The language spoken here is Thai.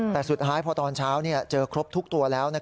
แต่สุดท้ายพอตอนเช้าเจอครบทุกตัวแล้ว